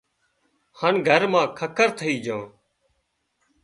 هانَ گھر مان ککر ٿئي جھان